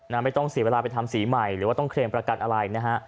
ไม่ต้องเสียเวลาไปทำสีใหม่หรือว่าต้องเคลมประกันอะไรนะฮะ